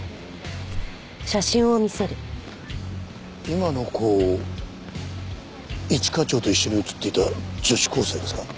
今の子一課長と一緒に写っていた女子高生ですか？